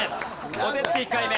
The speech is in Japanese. お手つき１回目。